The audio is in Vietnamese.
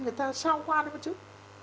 người ta sao qua nó chút